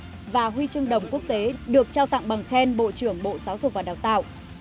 hai em học sinh đoạt huy chương đồng quốc tế được trao tặng bằng khen bộ trưởng bộ giáo dục và đào tạo